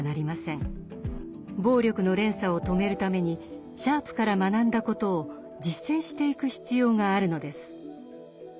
暴力の連鎖を止めるためにシャープから学んだことを実践していく必要があるのです。